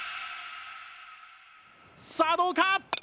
さあどうか！？